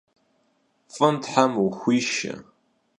F'ım them vuxuişşe!